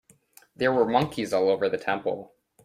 There were monkeys all over the temple.